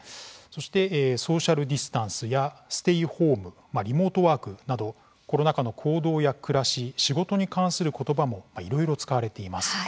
そしてソーシャルディスタンスやステイホーム、リモートワーク等コロナ禍の行動や暮らし仕事に関する言葉もいろいろ使われています。